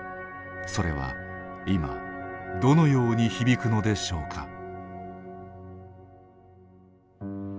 それは今どのように響くのでしょうか。